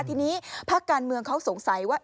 ทีนี้ภาคการเมืองเขาสงสัยว่า